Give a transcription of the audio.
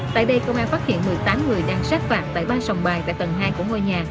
tại đây công an phát hiện một mươi tám người đang sát phạt tại ba sòng bài tại tầng hai của ngôi nhà